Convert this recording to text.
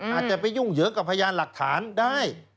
อาจจะไปยุ่งเหยิงกับพยานหลักฐานได้